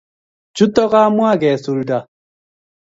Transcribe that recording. Chuto kamwa kesulda